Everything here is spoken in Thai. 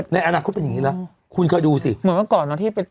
ในอนาคตก็เป็นอย่างงี้นะคุณค่อยดูสิเหมือนเมื่อก่อนนะที่ไป